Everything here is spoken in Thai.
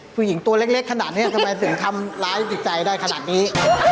ผู้หญิงตัวเล็กขนาดนี้ทำไมถึงทำร้ายจิตใจได้ขนาดนี้